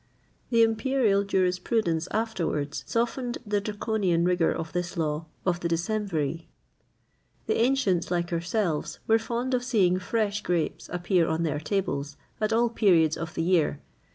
[XXVIII 40] The imperial jurisprudence afterwards softened the Draconian rigour of this law of the Decemviri.[XXVIII 41] The ancients, like ourselves, were fond of seeing fresh grapes appear on their tables at all periods of the year.